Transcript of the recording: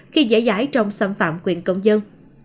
khi dễ dãi trong xâm phạm quyền công dân